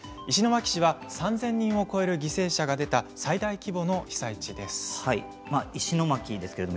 石巻市は３０００人を超える犠牲者が出た最大規模の被災地です。